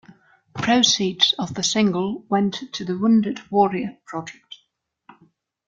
Proceeds of the single went to the Wounded Warrior Project.